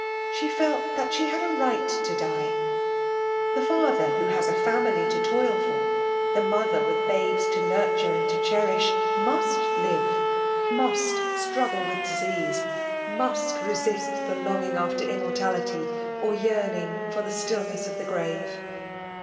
She felt that she had a right to die! The father who has a family to toil for, — the mother with babes to xnirture and to cherish, — must ]x¥e, — mu^t struggle with disease, — must resist the long ing after immortaUty, or yearning for the stilfatess of the grave.